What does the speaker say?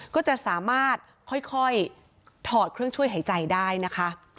ก็จะสามารถค่อยถอดเครื่องช่วยหายใจได้นะคะ